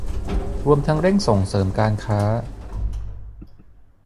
รวมทั้งเร่งส่งเสริมการค้า